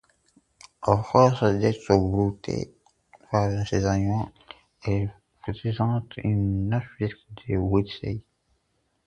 A force d'être broutée par ces animaux, elle peut présenter un aspect de bonsaï.